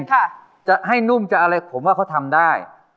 ค่ะจะให้นุ่มจะอะไรผมว่าเขาทำได้